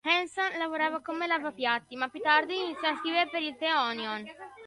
Hanson lavorava come lavapiatti, ma più tardi iniziò a scrivere per il The Onion.